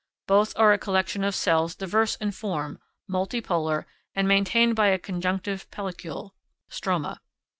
Both are a collection of cells diverse in form, multipolar, and maintained by a conjunctive pellicule (stroma).